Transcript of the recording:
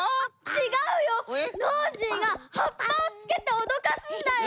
ちがうよノージーがはっぱをつけておどかすんだよ。